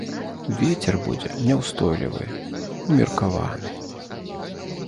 Вецер будзе няўстойлівы, умеркаваны.